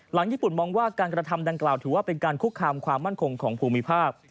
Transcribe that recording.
ญี่ปุ่นมองว่าการกระทำดังกล่าวถือว่าเป็นการคุกคามความมั่นคงของภูมิภาค